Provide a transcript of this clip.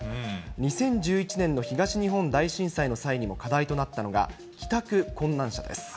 ２０１１年の東日本大震災の際にも課題となったのが、帰宅困難者です。